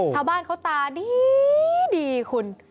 ชาวบ้านเขาตาดีคุณ